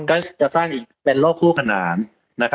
ก็จะสร้างอีกเป็นโลกคู่ขนาน